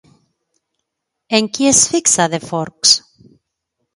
En qui es fixa de Forks?